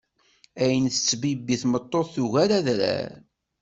Ayen tettbibbi tmeṭṭut tugar adrar.